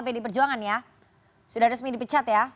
pdi perjuangan ya sudah resmi dipecat ya